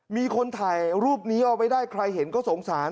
มีคนถ่ายรูปนี้เอาไว้ได้ใครเห็นก็สงสาร